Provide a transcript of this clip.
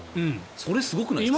それ、すごくないですか？